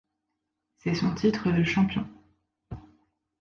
C’est son titre de champion.